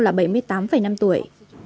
là bảy mươi tám năm tuổi